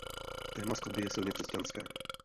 Téma skladby je silně křesťanské.